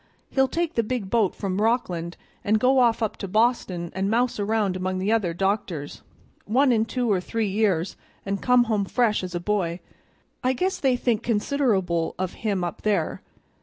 He'll take the big boat from Rockland an' go off up to Boston an' mouse round among the other doctors, one in two or three years, and come home fresh as a boy. I guess they think consider'ble of him up there."